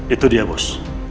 itu dia bos